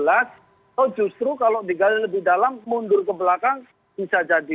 atau justru kalau digali lebih dalam mundur ke belakang bisa jadi